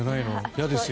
嫌ですよ。